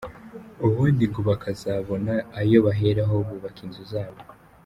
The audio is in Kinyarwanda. Ubundi ngo bakazabona ayo baheraho bubaka inzu zabo.